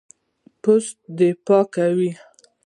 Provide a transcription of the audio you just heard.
پوست دفاع کوي.